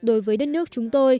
đối với đất nước chúng tôi